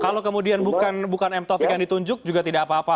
kalau kemudian bukan m taufik yang ditunjuk juga tidak apa apa